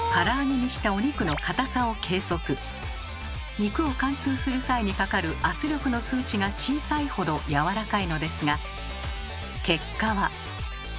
肉を貫通する際にかかる圧力の数値が小さいほどやわらかいのですが結果は。